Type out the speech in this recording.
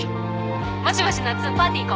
もしもしなっつんパーティー行こう。